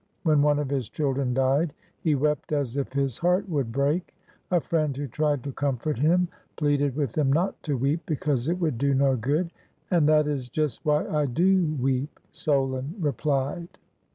When one of his children died, he wept as if his heart would break. A friend who tried to comfort him pleaded with him not to weep, because it would do no good. "And that is just why I do weep," Solon re plied.